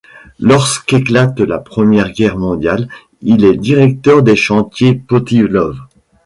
Lorsqu'éclate la Première Guerre mondiale, il est directeur des chantiers Poutilov.